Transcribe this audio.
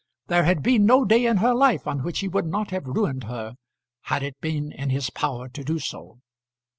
There had been no day in her life on which he would not have ruined her, had it been in his power to do so.